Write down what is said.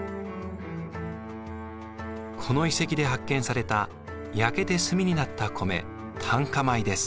この遺跡で発見された焼けて炭になった米炭化米です。